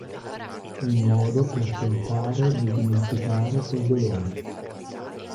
Un modo per tentare di dimenticare quel dolore.